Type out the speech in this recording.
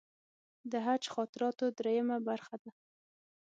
د حج خاطراتو درېیمه برخه ده.